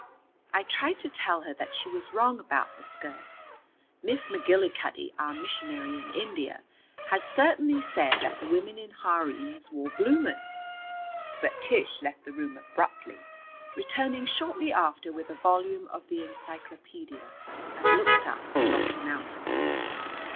I tried to tell her that she was wrong about the skirts. Miss MacGillicuddy, our missionary in India, had certainly said that the women in harems wore bloomers. But Tish left the room abruptly, returning shortly after with a volume of the encyclopædia, and looked up the Rocky Mountains.